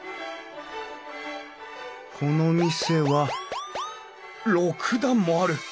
この店は６段もある！